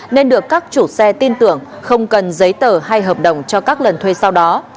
nên được các chủ xe tin tưởng không cần giấy tờ hay hợp đồng cho các lần thuê sau đó